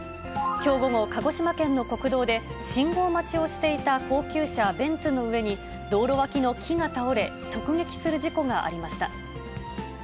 きょう午後、鹿児島県の国道で、信号待ちをしていた高級車、ベンツの上に、道路脇の木が倒れ、直撃する事故がありました。